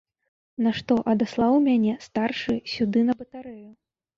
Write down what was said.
Нашто адаслаў мяне старшы сюды на батарэю?